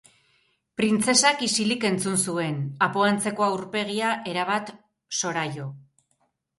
Printzesak isilik entzun zuen, apo antzeko aurpegia erabat soraio.